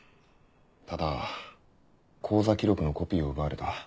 ただ口座記録のコピーを奪われた。